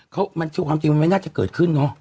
คือความจริงมันน่าจะเกิดขึ้นเนอะ